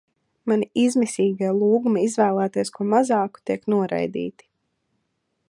Mani izmisīgie lūgumi izvēlēties ko mazāku tiek noraidīti.